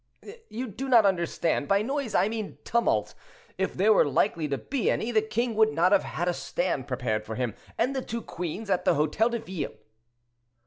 "You do not understand: by noise I mean tumult. If there were likely to be any, the king would not have had a stand prepared for him and the two queens at the Hotel de Ville."